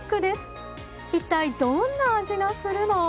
一体どんな味がするの？